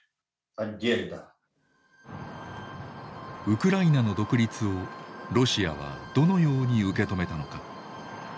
ウクライナの独立をロシアはどのように受け止めたのか。